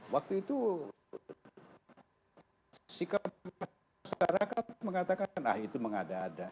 waktu itu sikap masyarakat mengatakan ah itu mengada ada